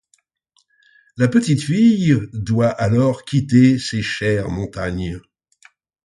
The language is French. La petite fille doit alors quitter ses chères montagnes.